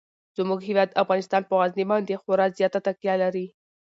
زموږ هیواد افغانستان په غزني باندې خورا زیاته تکیه لري.